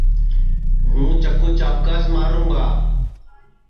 ہوں چکُو چاٻکاس ماروں گا